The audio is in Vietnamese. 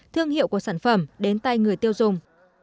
thương hiệu của sản phẩm đến tay người tiêu dùng